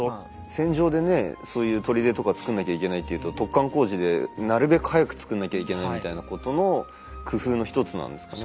戦場でねそういう砦とか造んなきゃいけないっていうと突貫工事でなるべく早く造んなきゃいけないみたいなことの工夫の１つなんですかね。